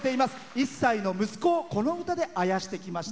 １歳の息子をこの歌であやしてきました。